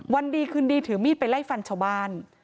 วันดีคืนดีถือมีดไปไล่ฟันชาวบ้าน